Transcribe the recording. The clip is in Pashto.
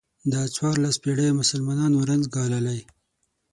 دا څوارلس پېړۍ مسلمانانو رنځ ګاللی.